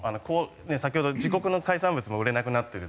先ほど自国の海産物も売れなくなってるっていう。